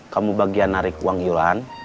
kamu bagian narik uang yulan